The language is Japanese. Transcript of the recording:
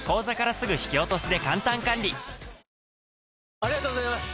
ありがとうございます！